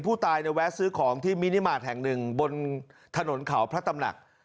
ผู้ตายเนี่ยแวะซื้อของที่มินิมาตรแห่งหนึ่งบนถนนเขาพระตำหนัก